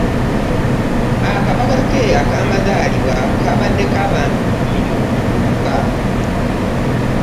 Akabaga ke akaamazaalibwa kaabaddeko abantu kkumi bokka.